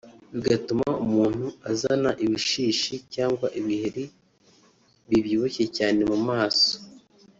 bigatuma umuntu azana ibishishi cyangwa ibiheri bibyibushye cyane mu maso